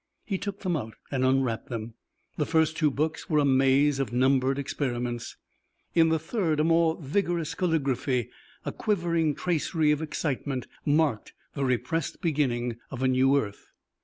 He took them out and unwrapped them. The first two books were a maze of numbered experiments. In the third a more vigorous calligraphy, a quivering tracery of excitement, marked the repressed beginning of a new earth.